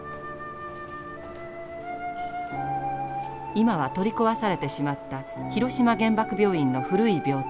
今は取り壊されてしまった広島原爆病院の古い病棟。